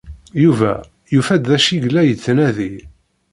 Yuba yufa-d d acu i yella yettnadi.